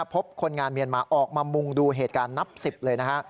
คนงานเมียนมาออกมามุงดูเหตุการณ์นับ๑๐เลยนะฮะ